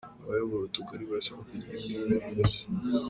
Abayobora utugari barasabwa kugira imyumvire inoze